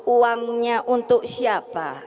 uangnya untuk siapa